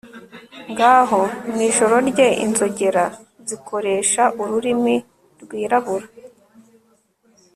ngaho, mwijoro rye, inzogera zikoresha ururimi rwirabura